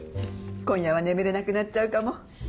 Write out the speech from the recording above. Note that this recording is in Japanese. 今夜は眠れなくなっちゃうかも。